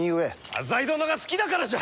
浅井殿が好きだからじゃ！